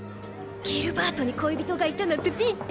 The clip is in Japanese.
ギルバートに恋人がいたなんてびっくり！